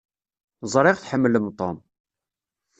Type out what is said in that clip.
Ẓriɣ tḥemmlem Tom.